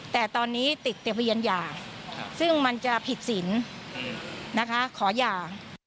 แต่ตอนนี้ติดเตรียมยาซึ่งมันจะผิดสินขอยา